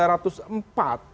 diperbolehkan oleh aturan